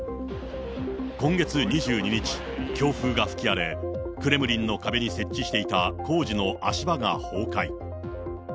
今月２２日、強風が吹き荒れ、クレムリンの壁に設置していた工事の足場が崩壊。